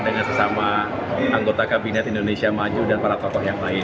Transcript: dengan sesama anggota kabinet indonesia maju dan para tokoh yang lain